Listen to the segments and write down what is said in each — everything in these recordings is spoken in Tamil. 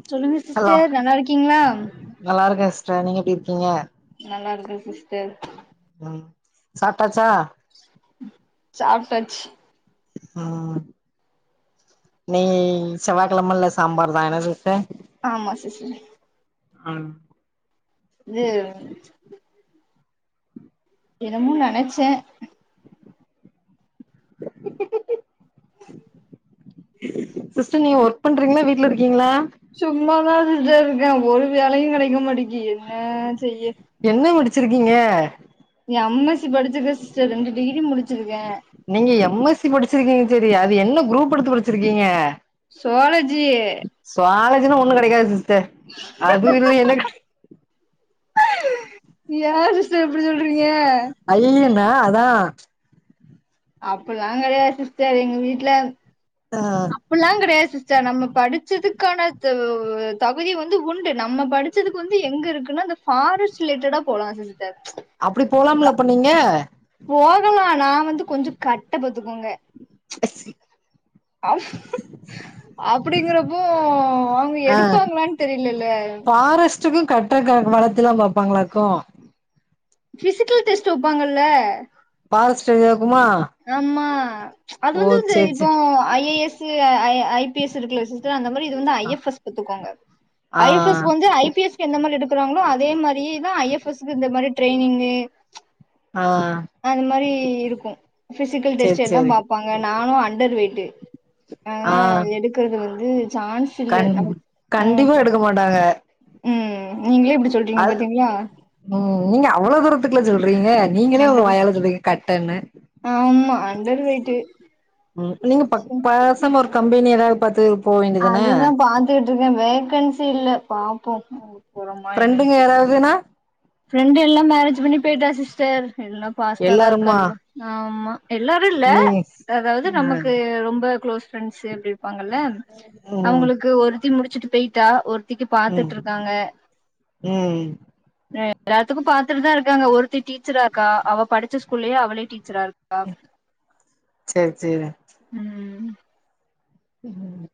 ச்சொல்லுங்க ஹலோ சிஸ்டர் நல்லார்கிங்ளா ட்ர எப்டி இருக்கீங்க. நல்லா இருக்க சிஸ்டர் சாப்டாச்சா சாப்டாச்சி உம் நெய் செவ்வாகெழமல்ல சாம்பார் தா என்ன சிஸ்டர் ஆமா சிஸ் அஹ் இது என்னமோ நெனைச்ச சிஸ்டர் நீங்க ஒர்க் பண்றிங்ளா வீட்ல இருக்கிங்ளா தா இருக்க ஒரு வேலயு கெடைக்க மாட்டிக்கு என்ன செய்ய ச்சிருக்கீங்க. எம்எஸ்சி படிச்சிருக்கே சிஸ்டர் ரெண்டு டிகிரி முடிச்சிருக்கே நீங்க எம் எஸ் சி படிச்சிருக்கீங்க சரி அது என்ன குரூப்பெடுத்து படிச்சிருகிங்க சுவாலஜி சுவாலஜினா ஒண்ணு கெடக்காது சிஸ்டர் அதுவு இல்லினா ஏ சிஸ்டர் இப்டி சொல்றீங்க அஹ் அதா அப்பில்லா கெடயாது சிஸ்டர் எங்க வீட்ல ஆ அப்புல்லா கெடயாது சிஸ்டர் நம்ம படிச்சதுக் க்கான தகுதி வந்து உண்டு நம்ம படிச்சதுக்கு வந்து எங்க இருக்குன அந்த ஃபாரஸ்ட் ரிலேட்டடா போலா சிஸ்டர் அப்டி போலாம்லா அப்ப நீங்க போதுலா நாவந்து கொஞ்சோ கட்ட பாத்துக்கோங்க எஸ் சி அப்டிங்கறப் அஸ் தெரியலல்ல ஃபாரஸ்ட்டுக்கு கட் [unintelligible] வளத்துதா பாப்பாங்களாக்கு ஃபிசிக்கல் டெஸ்ட் வப்பாங்கல்ல ஃபாரஸ்ட் ஏரியா ஆமா அது வந்துந்து சேரி இப்போ சேரி I A S I I P S இருக்குல சிஸ்டர் அந்த மாரி இது வந்து ஐ எஃப் எஸ் பாத்துக்கோங்க ஆ ஐ எஃப் எஸ் வந்து ஐ பி எஸ் எந்த மாரி எடுக்கறாங்களோ அதே மாரியேதா ஐ எஃப் இந்த மாரி ட்ரெயினிங்கு ஆ அது மாரி இருக்கு ஃபிசிக்கல் சேரி டெஸ்ட் எல்லா சேரி பாப்பாங்க நானு அண்டர் வெயிட்டு ஆ ஆனா எடுக்கறது வந்து சான்ஸ் இல்ல கண் உம் கண்டிப்பா எடுக்க மாட்டாங்க உம் அது உம் நீங்க அவ்ளோ தூரத்துக் சொல்றீங்க நீங்களே உங்க அண்டர் வாயால சொல்றீங்க கட்டனு அன்டர் வெயிட்டு நீங்க பக் பேசாம ஒரு கம்பெனி எதாவது பாத்து போ வேண்டியதான அதுதா பாத்துட்டு இருக்க வேகன்சி இல்ல பாப்போ போறோமா ஃப்ரெண்டுங்க என்னன்ட்டு யாராவதுனா ஃப்ரெண்டு எல்லா மேரேஜ் பண்ணி போயிட்டா சிஸ்டர் எல்லா பாஸ்டா தா எல்லாருமா இருக்காலுவோ ஆமா எல்லாரு இல்ல நீ அதாவது ஆ நமக்கு ரொம்ப க்ளோஸ் ஃரெண்ட்ஸ் அப்டி ப்பாங்கல்ல ம் அவுங்களுக்கு ஒருத்தி முடிச்சிட்டு போயிட்டா ஒருத் திக்கு ம் பாத்துட்ருக்காங்க ம் எல்லாத்துக்கு பாத்துட்டு தா இருக்காங்க ஒருத்தி டீச்சரா இருக்கா அவ படிச்ச ஸ்கூல்லே அவளே டீச்சரா இரு சேரி சேரி [unintelligible] உம் ம்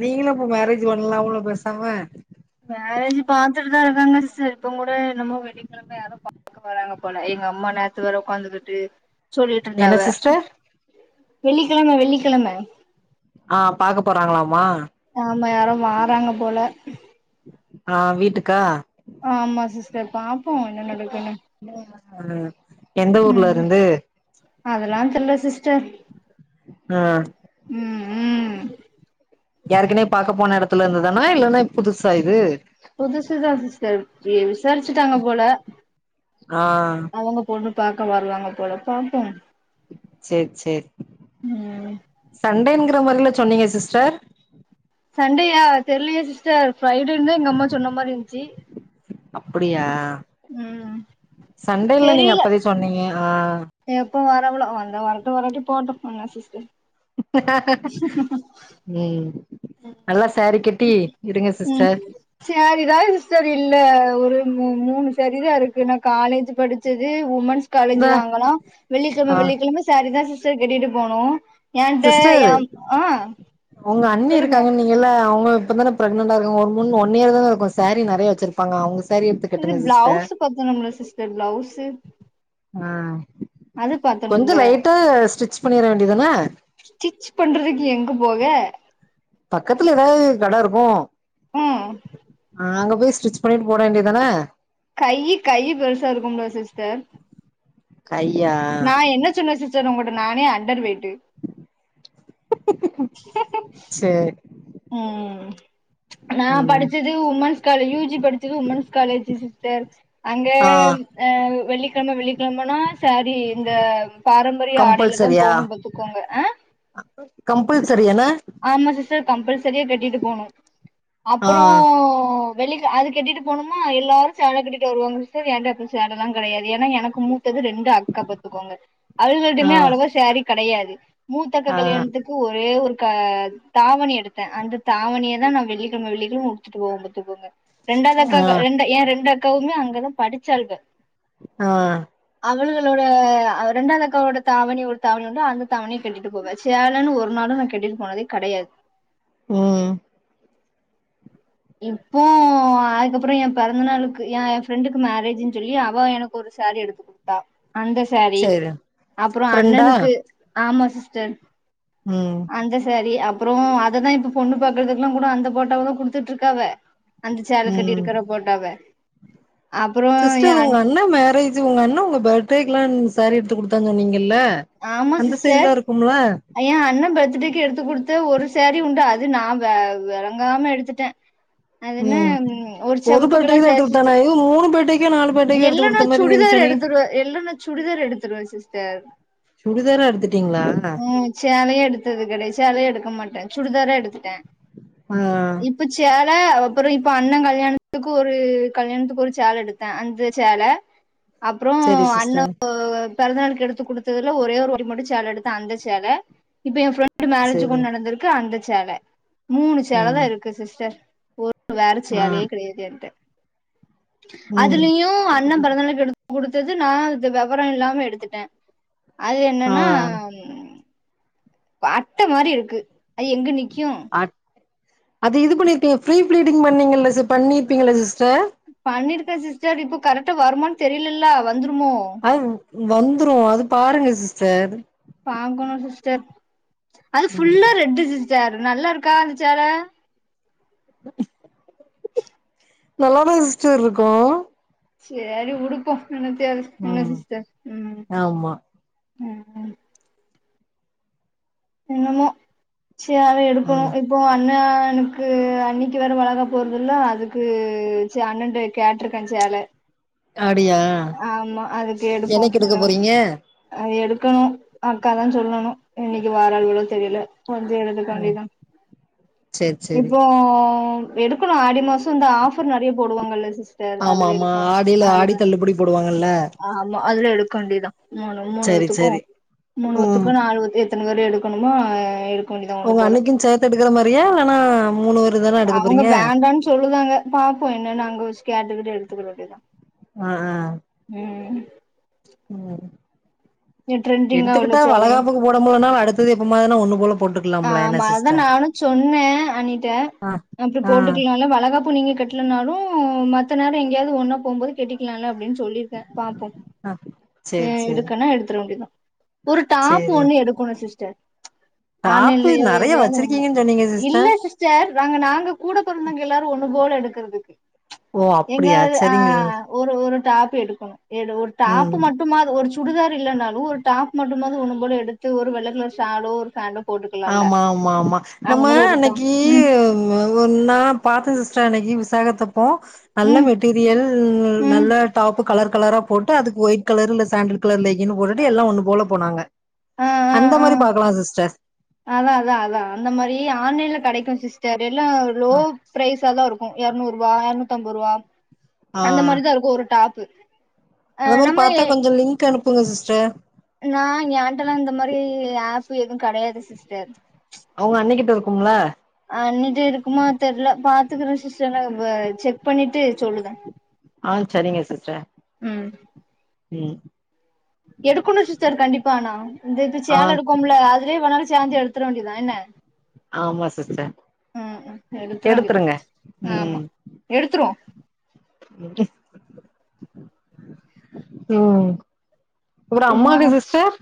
நீங்களு அப்ப மேரேஜ் பண்ணலாம்லா பேசாம மேரேஜ் பாத்துட்டு தா இருக்காங்க சிஸ்டர் இப்ப கூட என்னமோ வெள்ளிக்கெழம யாரோ வராங்க போல எங்க அம்மா நேத்து வேர உக்காந்துக்குட்டு சொல்லிட்டு என்ன இருந்தாவ சிஸ்டர் வெள்ளிக்கிழம வெள்ளிக்கிழம ஆ பாக்க போறாங்களமா ஆமா யாரோ வாறாங்க போல ஆ வீட்டூக்கா ஆமா சிஸ்டர் பாப்போ என்ன நடக்குனு ம் எந்த ஊர்ல இருந்து அதெலா தெர்ல சிஸ்டர் ஆ ம் ம் இதுல இந்துதானா இல்லனா புதுசா இது ஏ விசாரிச்சுட்டாங்க போல ஆ அவங்க பொண்ணு பாக்க வருவாங்க போல பாப்போ சேரி சேரி ம் சண்டேங்க ந்த மாறில சொன்னீங்க சிஸ்டர் சண்டேயா தெரியலயே சிஸ்டர் ஃப்ரை டேனு எங்கம்மா சொன்ன மாறி இருந்ச்சு அப்புடியா ம் சண்டேல்ல நீங்க தெரில அப்பவே சொன்னீங்க ஆ எப்ப வரவளோ வந்தா வரட்டு வராட்டி போட்டு என்ன சிஸ்டர் ம் நல்லா சாரீ கட்டி இருங்க ம் சிஸ்டர் சேரிதா சிஸ்டர் இல்ல ஒரு ஒரு மூ மூணு சாரிதா இருக்கு நா காலேஜ் படிச்சது உமன்ஸ் காலேஜ் இந்த வாங்களா வெள்ளிகெலம ஆ வெள்ளிக்கெலம சாரி தா சிஸ்டர் கெட்டிட்டு போணு ஏன்ட சிஸ்டர் ஏம் ஆ உங்க அண்ணி சொல்லுங்க இருக்காங்க நீங்கல்ல அவுங்க இப்ப தான பிரெக்னன்டா இருக்கங்க ஒரு மூணு ஒன் இயர் தான இருக்கு சாரீ நெறையா வச்சிருப்பாங்க அவுங்க சாரீ எடுத்து இது கட்டுங்க சிஸ்டர் ப்ளவுஸ் பத்தனும்ல சிஸ்டர் ப்ளவுஸு ஆ கொஞ்சோ லைட்டா ஸ்டிச் பண்ணிர வேண்டியதான க்கு போக பக்கத்துல ஏதாவது கட இருக்கு ஆ அ அங்க போய் ஸ்டிச் பண்ணிட்டு போட வேண்டிய தான கை கை பெருசா இருக்கும்ல சிஸ்டர் கையா நா என்ன சொன்ன சிஸ்டர் ஒங்கட்ட நானே அண்டர் வெயிட்டு சேரி ம் நா ம் படிச்சது உமன்ஸ் காலஜ் யூ ஜி படிச்சது உமன்ஸ் காலேஜி சிஸ் சர் அங்க ஆ வெள்ளிக்கழம வெள்ளிக்கழமனா சாரீ இந்த பாரம்பரிய ஆடையில தா கம்பல்சரியா போணு பாத்துக்கோங்க ஆ கம்பல்சரி என்ன து கம்பல்சரியா கட்டிட்டு போனு ஆ அப்பறோ வெள்ளிக்க அது கட்டிட்டு போணுமா எல்லாரு சேல கட்டிட்டு வருவாங்க சார் என்ட அப்ப சேலலா கடயாது ஏன்னா எனக்கு மூ து ரெண்டு அக்கா பாத்துக்கோங்க ஆ அவுள்கள்டிமே அவ்ளோவா சாரி கெடையாது மூத்தக்கா ஆ கல்யாணத்துக்கு ஒரே ஒரு கா தாவணி எடுத்த அந்த தாவணிய தா நா வெள்ளிக்கெழம வெள்ளிக்கெழம உடுத்துட்டு போவ பாத்துக்கோங்க ரெண்டாவது ஆ அக்கா ரெண்டு ஏ ரெண்டு அக்காவுமே அங்கதா படிச்சாளுக ஆ அவள்களோட ரெண்டாது அக்காவோட தாவணி ஒரு தாவணி உண்டு அந்த தாவணியு கட்டிட்டு போவ சேலன்னு ஒரு நாளு நா கெட்டிட்டு போனதே கடயாது ம் இப்போ அதுக்கப்றோ ஏ பெறந்த நாளுக்கு ஏ என் ஃப்ரெண்டுக்கு மேரேஜ்ன்னு சொல்லி அவ எனக்கு ஒரு சாரி எடுத்து குடுத்தா அந்த சாரி சேரி அப்றோ ஃப்ரெண்டா அண்ணனுக்கு ஆமா சிஸ்டர் ம் அந்த சாரி அப்றோ அததா இப்ப பொண்ணு பாக்கறதுக்குலா கூட அந்த ஃபோட்டாவ தா கொடு த்துட்டு இருக்காவ அந்த சேல கட்டி ம் இருக்கற ஃபோட்டோவ சிஸ்டர் உங்க அண்ணா மேரேஜ் உங்க அண்ணா உங்க பர்த்டே எல்லா சாரி எடுத்து குடுத்தாங்க நீங்க ல்ல ஆமா அந்த சேரியல்ல இருக்கும்ல த்டேக்கு எடுத்து கொடுத்த ஒரு சாரீ உண்டு அது நா வே வெளங்காம எடுத்துட்ட அது என்னா ம் ஒரு பர்த்டேக்கு செவப்புகலர் தா எடுத்து சேசிச்ச குடுத்தானா ஐயோ மூணு பர்த்டேக்கோ நாலு பர்த்டேக்கோ எடுத்து என்னன்னா குடுத்த மாரி நீங்க சுடிதார் எடு சொன்னீங்க த்ருவ எல்லன சுடிதார் எடுத்துருவ சிஸ்டர் சுடிதாரா எடுத்துட்டீங்களா ம் சேலயே எடுத்தது கெடை சேலயே எடுத் எடுக்க மாட்டே சுடிதாரா எடுத்துட்டே ஆ இப்ப சே ல அப்றோ இப்ப அண்ண கல்யாணத்துக்கு ஒரு கல்யாணத்துக்கு ஒரு சேல எடுத்தே அந்த சேல அப்றோ செரி அண்ண சிஸ்டர் பெறந்த நாளுக்கு எடுத்து குடுத் ல ஒரே ஒரு வாட்டி மட்டு சேல எடுத்த அந்த சேல இப்ப என் ஃபிரெண்ட் மேரேஜ் செரி கொண்டு நடந்திருக்கு அந்த சேல மூணு ஆ சேல தா இருக்கு சிஸ்டர் ஒரு வேற ஆ சேலயே கெடையாது என்ட்ட ம் அதுலயு அண்ண பிறந்தநாளைக்கு எடுத்து குடுத்தது நா இந்த வெவர இல்லாம எடுத்துட்டே அது ஆ என்னன்னா பா அட்ட மாரி இருக்கு அது எங்க நிக்கு அட் அது இது பண்ணிருக்கீங் ஃப்ரீ ப்ளீடிங் பண்ணீங்கள பண்ணிருப்பீங்கள சி்ஸ்டர் பண்ணிருக்கே சிஸ்டர் இப்ப கரெக்டா வருமானு தெரிலலே அது வந்துரு அது பாருங்க சிஸ்டர் பாக்கணு சிஸ்டர் அது ஃபுல்லா ம் ரெட்டு சி ஸ்டார் நல்லா இருக்கா அந்தச்சேல நல்லாத சிஸ்டர் இருக்கு செரி உடுப்போ என்னத்தயாது என்ன ம் சிஸ்டர் ம் ஆமா ம் ம் என்னமோ சேல எடுப்போ ம் இப்போ அண்ண ஆ எனக்கு அன்னிக்கு வேற வளகாப்பு வருதுல்ல அதுக்கு சே அண்ணன்ட கேட்ருக்கே சேல ல அப்டியா ஆமா அதுக்கு எடுப்போ என்னைக்கு எடுக்க என போறீங்க அ எடு க்கணு அக்கா தா சொல்லணு என்னைக்கு வாரால்களோ தெரியல வந்து எடுத்துக ம் வேண்டிதா செரி செரி இப்போ எடுக்கணு ஆடி மாச இந்த ஆஃபர் நெறைய போடுவாங்கல்ல சிஸ் ஆமா ஆமா ஆடியில ஆடி தள்ளுபடி போடுவாங்கல்ல ஆமா அதுல எடுக்க வேண்டிதா மூனு செரி மூனுவேத்துக்கு செரி ம் மூனுவேத்துக்கு [unintelligible] த்னபேரு எடுக்கணுமோ எடு உங்க அன்னிக்கு சேத்து எடுக்குற மாரியா இல்லனா மூணுவே அவங்க வேண்டான்னு சொல்லுதாங்க பாப்போ என்னன்னு அங்க வச்சு கேட்டுக்கிட்டு எடுத்துக்க வேண்டிதா ஆ ஆ ம் ட்ரெண்டிங்கா உள்ள எடுத்துக்கிட்டா சேலைய வளகாப்புக்கு போட முன்னனாலு அடுத்தது எப்ப மாரினா ஒண்ணு போல போட்டுக்கலாம்ல என்ன ஆமா அததா சிஸ்டர் நானு சொன்னே அன்னிட்ட ஆ அப்டி ஆ போட்டுக்கலால்ல வளகாப்பு நீங்க கட்லனாலு ம் மத்த நேர எங்கேயாவது ஒன்னா போம்போது கெட்டிக்கலால அப்டின்னு சொல்லிருக்கே பாப்போ ஆ சேரி சேரி கண்டிப்பா ஒரு டாப்பு சேரி ஒண்ணு எடுக்கணு சிஸ்டர் டாப்பு ஆன்லைன்லயோ நெறைய எதுலயாது ஒண்ணு வச்சிருக்கீங்கன்னு சொன்னீங்க இல்ல சிஸ்டர் சிஸ்டர் நாங்க நாங்க கூட பிறந்தவங்க எல்லாரு ஒன்னு போல எடுக்குறதுக்கு ஓ ஏங்கா அப்டியா சரிங்க ஆஹ் சிஸ் ஒரு ஒரு டாப்பு எடுக்கணு ஏதோ ஒரு டாப் ம் மட்டுமாது ஒரு சுடுதார் இல்லன்னாலு ஒரு டாப் மட்டும்மாது ஒன்னு போல எடுத்து ஒரு வெள்ளக்கலர் ஷாலோ ஒரு பேண்டோ ஆமா ஆமா ஆமா நம்ம ஒரு டாப் அன்னைக்கு ம் ஒரு நாள் பாத்தே சிஸ்டர் அன்னைக்கு விசாகத் அப்போ நல்ல ம் மெட்டீரியல் ம் நல்ல டாப்பு கலர் கலரா போட்டு அதுக்கு ஒயிட் கலர் இல்ல சாண்டில் கலர் லெகின் போட்டுட்டு எல்லா ஒண்ணு போல போனாங்க ஆ ஆ அந்த ஆ மாரி பாக்கலா சிஸ்டர் அதா அதா அதா அந்த மாரி ஆன்லைன்ல கிடைக்கும் சிஸ்டர் எல்லா லோ ப்ரைஸா தா இருக்கு ம் இறநூறுபா இறநுத்தம்பதுறுபா அந்த மாரிதா இருக்கும் ஒரு டாப்பு ஆ அந்தமாரி பாத்தா நம்ம கொஞ்சம் லிங்க் அனுப்புங்க சிஸ்டர் நா ஏன்ட்டல்லா இந்த மாரி ஆப்பு எதுவு கிடயாது சிஸ்டர் உங்க அண்ணிக்கிட்ட இருக்கும்ல அண்ணிட்ட இருக்குமா தெரியல பாத்துக்குறேன் சிஸ்டர் நா செக் பண்ணிட்டு சொல்லுத ஆஹ் சரிங்க சிஸ்டர் ம் உம் எடுக்கணும் சிஸ்டர் கண்டிப்பா ஆனா இந்த இது ஆ சேல எடுக்கோம்ல அதுலயே வேணாலு சேந்து எடுத்திட வேண்டியதுதான் என்ன ஆமா சிஸ்டர் ம் ம் எடுத்துற வேண்டியதா எடுத்துருங்க ஆமா உம் எடுத்துருவோ உம் அப்புறம் அம்மாக்கு சிஸ்டர்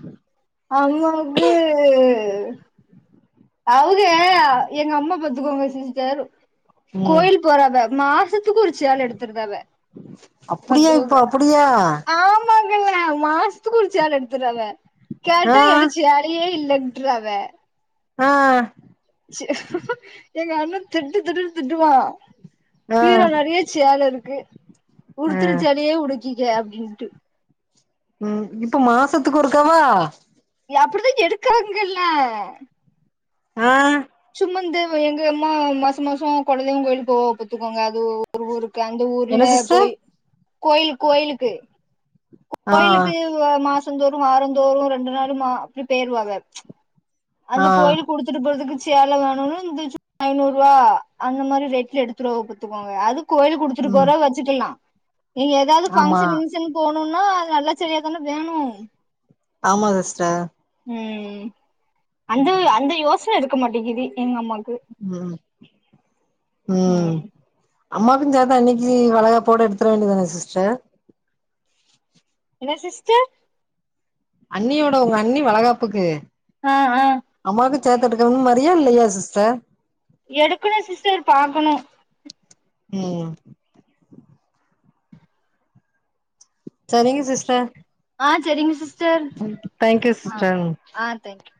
அவுங்க வந்து அவுக எங்க அம்மா பாத்துக்கோங்க சிஸ்டர் ம் கோயில் போறக மாசத்து க்கு ஒரு சேல எடுத்துருதாவ அப்படியா பாத்துக்கோங்க இப்ப அப்படியா ஆமாங் மாசத்துக்கு ஒரு சேலை எடுத்துறாவ ஆ கேட்டா என்ட சேலையே இல்ல ன்ட்ராவ ஆஹ் எங்க அண்ண திட்டு திட்டுன்னு திட்டுவான் ஆ பீரோ நிறைய சேல இருக்கு ஆ உடுத்துன சேலையே உடுக்கிக அப்படின்ட்டு உம் இப்ப மாசத்துக்கு ஒருக்காவா அப்படிதான் எடுக்காங்கல்ல ஆஹ் சும்ம இந்த எங்க அம்மா மாசம் மாசம் குல தெய்வம் கோயிலுக்கு போவாக பாத்துக்கோங்க அது ஒரு ஊருக்கு அந்த என்ன ஊர்ல சிஸ்டர் போய் கோயில் கோயிலுக்கு ஆ கோயிலுக்கு மாசந்தோறும் வாரந்தோறும் ரெண்டு நாளு அப்டி பேயிருவாக ஆ அந்த கோயிலுக்கு உடுத்துட்டு போறதுக்கு சேல வேணும்னு ஐநூறு ரூபா அந்த மாதிரி ரேட்ல எடுத்திருவாக பாத்துக்கோங்க அதுக்கு கோயில் உடுத்துட்டு ம் போராவ வச்சுக்கலாம் இல்ல ஏதாவது ஆமா பங்க்ஷன் கிங்ஷன் போ போனும்னா அது நல்லா சேலயாதானே வேணும் ஆமா சிஸ்டர் உம் அந்த அந்த யோசனை இருக்க மாட்டேங்குது எங்க அம்மா உம் உம் ம் அம்மாக்கும் சேத்து அண்ணிக்கு வளகாப்போட எடுத்துர வேண்டியதானே சிஸ்டர் என்ன சிஸ்டர் அண்ணியோட உங்க அண்ணி வளகாப்புக்கு ஆஹ் ஆஹ் அம்மாக்கு சேத்து எடுக்கன்னு மரியா இல்லையா சிஸ்டர் எடுக்கணு சிஸ்டர் பாக்கணு ம் சரிங்க சிஸ்டர் ஆ சரிங்க சிஸ்டர் தேங்க்யூ ஆ சிஸ்டர் ஆ தேங்க்யூ